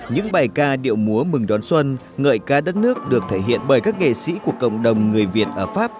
những bài ca điệu múa mừng đón xuân ngợi ca đất nước được thể hiện bởi các nghệ sĩ của cộng đồng người việt ở pháp